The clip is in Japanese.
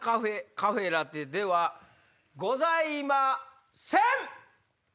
カフェラテではございません！